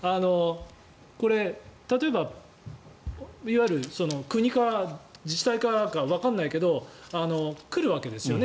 これ、例えば、いわゆる国か自治体からかわからないけど来るわけですよね。